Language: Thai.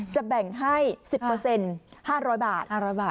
จะแบ่งให้สิบเปอร์เซ็นต์ห้าร้อยบาทห้าร้อยบาท